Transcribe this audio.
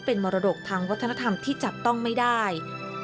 เป็นมรดกทางวัฒนธรรมที่จับต้องไม่ได้